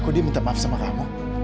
aku dia minta maaf sama kamu